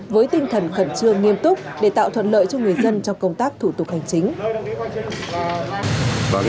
với tinh thần khẩn trương nghiêm túc để tạo thuận lợi cho người dân trong công tác thủ tục hành chính